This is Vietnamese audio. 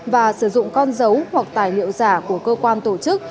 và sử dụng con dấu hoặc tài liệu giả của cơ quan tổ chức